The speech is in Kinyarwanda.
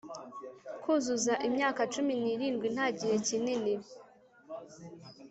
kuzuza imyaka cumi n'irindwi, nta gihe kinini,